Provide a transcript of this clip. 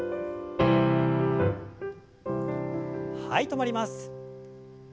はい止まります。